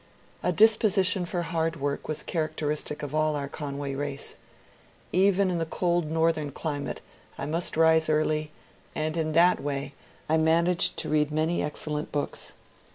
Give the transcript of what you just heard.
A disposition for hard work was characteristic of all our Conway race. Even in the cold northern climate I must rise early, and in that way I managed to read many excellent books.